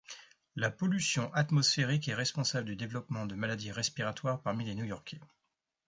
La pollution atmosphérique est responsable du développement de maladies respiratoires parmi les New-Yorkais.